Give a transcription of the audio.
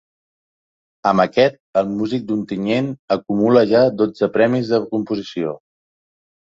Amb aquest, el músic d’Ontinyent acumula ja dotze premis de composició.